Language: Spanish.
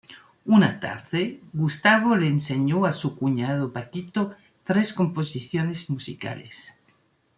Una tarde, Gustavo le enseñó a su cuñado Paquito tres composiciones musicales.